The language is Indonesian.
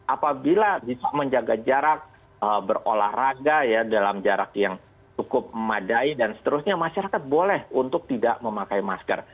apabila bisa menjaga jarak berolahraga ya dalam jarak yang cukup memadai dan seterusnya masyarakat boleh untuk tidak memakai masker